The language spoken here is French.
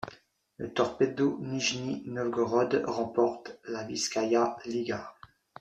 Le Torpedo Nijni Novgorod remporte la Vyschaïa Liga.